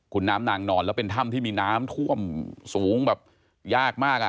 คุณน้ำนางนอนแล้วเป็นถ้ำที่มีน้ำท่วมสูงแบบยากมากอ่ะ